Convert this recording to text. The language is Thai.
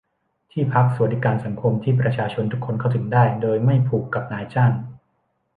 ที่พักสวัสดิการสังคมที่ประชาชนทุกคนเข้าถึงได้ โดยไม่ผูกกับนายจ้าง